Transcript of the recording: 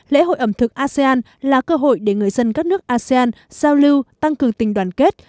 lễ hội ẩm thực asean là cơ hội để người dân các nước asean giao lưu tăng cường tình đoàn kết